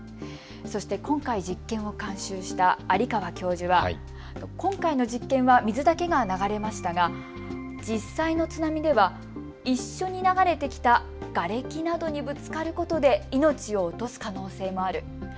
そして今回、実験を監修した有川教授は今回の実験は水だけが流れましたが実際の津波では一緒に流れて来たがれきなどにぶつかることで命を落とす可能性もある。